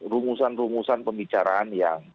rumusan rumusan pembicaraan yang